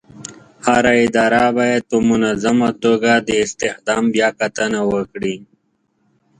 هره اداره باید په منظمه توګه د استخدام بیاکتنه وکړي.